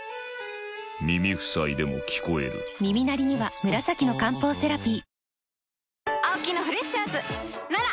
耳塞いでも聞こえる耳鳴りには紫の漢方セラピー